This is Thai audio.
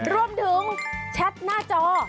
รวมถึงแชทหน้าจอ